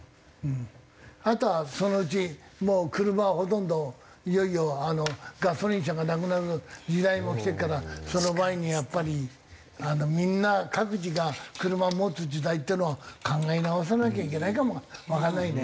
あとはそのうちもう車はほとんどいよいよガソリン車がなくなる時代もきてるからその前にやっぱりみんな各自が車を持つ時代っていうのを考え直さなきゃいけないかもわかんないね。